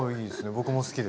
僕も好きですよ